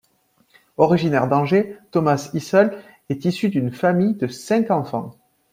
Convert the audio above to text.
Originaire d'Angers, Thomas Isle est issu d'une famille de cinq enfants.